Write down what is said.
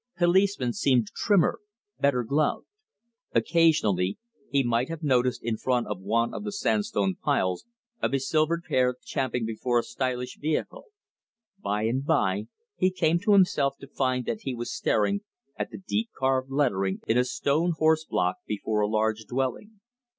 Policemen seemed trimmer, better gloved. Occasionally he might have noticed in front of one of the sandstone piles, a besilvered pair champing before a stylish vehicle. By and by he came to himself to find that he was staring at the deep carved lettering in a stone horse block before a large dwelling.